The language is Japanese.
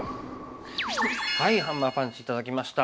ハンマーパンチ頂きました！